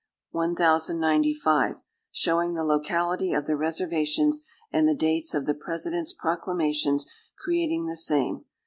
1095) showing the locality of the reservations and the dates of the President's proclamations creating the same.